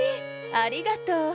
ありがとう。